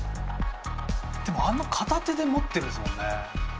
でもあんな片手で持ってるんすもんね。